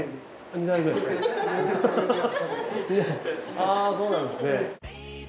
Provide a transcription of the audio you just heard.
あぁそうなんですね。